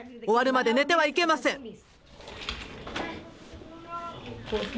終わるまで寝てはいけません！